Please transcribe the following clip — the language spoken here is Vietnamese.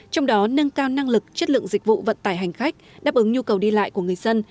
trong đó nâng cao năng lực chất lượng dịch vụ vận tải hành khách đáp ứng nhu cầu đi lại của người dân